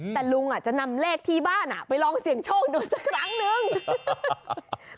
แต่ลุงจะนำเลขที่บ้านไปลองเสี่ยงโชคดูสักครั้งนึง